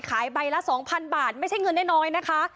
ขายใบละสองพันบาทไม่ใช่เงินน้อยน้อยนะคะ